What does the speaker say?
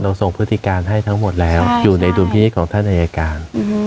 ส่งพฤติการให้ทั้งหมดแล้วอยู่ในดุลพินิษฐ์ของท่านอายการ